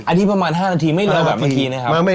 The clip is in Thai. อันนี้ประมาณ๕นาทีไม่เร็วแบบเมื่อกี้นะครับ